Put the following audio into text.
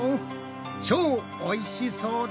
超おいしそうだ。